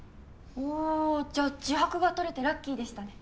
おじゃあ自白がとれてラッキーでしたね。